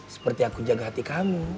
seperti aku jaga hati kamu